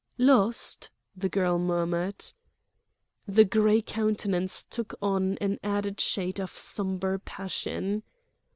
"Lost?" the girl murmured. The gray countenance took on an added shade of sombre passion.